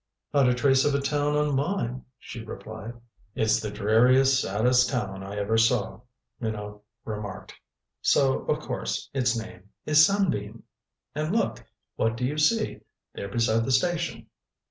"Not a trace of a town on mine," she replied. "It's the dreariest, saddest town I ever saw," Minot remarked. "So of course its name is Sunbeam. And look what do you see there beside the station!"